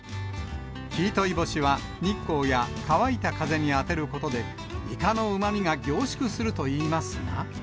一日干しは、日光や乾いた風に当てることで、イカのうまみが凝縮するといいますが。